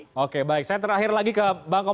pak jokowi saya terakhir lagi ke bang komar memastikan